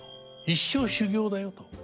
一生修業だよと。